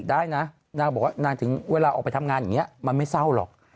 ได้นะนางบอกว่านางถึงเวลาออกไปทำงานอย่างนี้มันไม่เศร้าหรอก